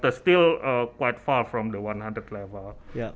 tapi masih jauh dari seratus